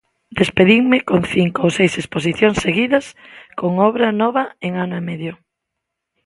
Despedinme con cinco ou seis exposicións seguidas con obra nova en ano e medio.